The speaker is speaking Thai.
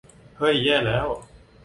เฮ้ย แย่แล้ว !